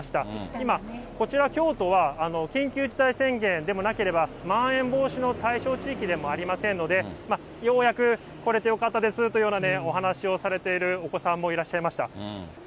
今、こちら京都は緊急事態宣言でもなければ、まん延防止の対象地域でもありませんので、ようやく来れてよかったですというようなお話をされているお子さんもいらっしゃいました。